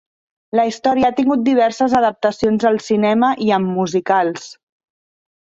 La història ha tingut diverses adaptacions al cinema i en musicals.